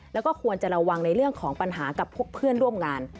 แล้วก็ควรจะระวังในเรื่องของปัญหากับพวกเพื่อนร่วมงาน